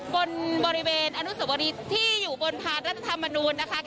บริเวณอนุสวรีที่อยู่บนพานรัฐธรรมนูญนะคะ